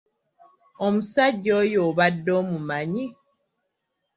Omusajja oyo obadde omumanyi?